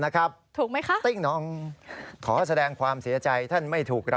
คุณตาคุณยายทำถูกนะ